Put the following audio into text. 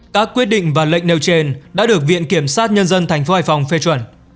các quyết định và lệnh nêu trên đã được viện kiểm sát nhân dân tp hải phòng phê chuẩn